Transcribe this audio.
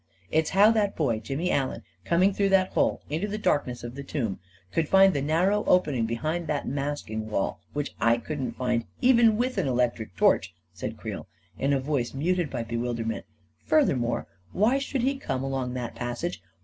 44 It's how that boy, Jimmy Allen, coming through that hole, into the darkness of the tomb, could find the narrow opening behind that masking wall, which I couldn't find, even with an electric torch," said Creel, in a voice muted by bewilder ment. " Furthermore, why should he come along that passage?